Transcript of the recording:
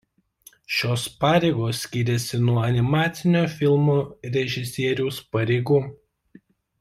Šios pareigos skiriasi nuo animacinio filmo režisieriaus pareigų.